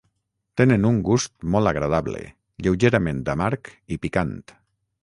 Tenen un gust molt agradable, lleugerament amarg i picant.